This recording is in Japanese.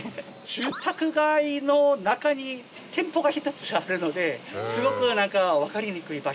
住宅街の中に店舗が１つあるのですごく何か分かりにくい場所。